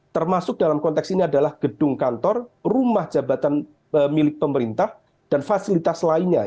termasuk dalam konteks ini adalah gedung kantor rumah jabatan milik pemerintah dan fasilitas lainnya